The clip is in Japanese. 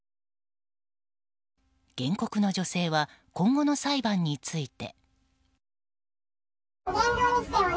原告の女性は今後の裁判について。